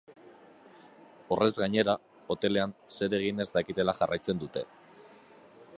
Horrez gainera, hotelean zer egin ez dakitela jarraitzen dute.